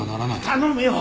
頼むよ！